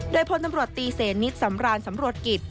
โดยพลตำรวจตีสนิทสำรานสำรวจกิจ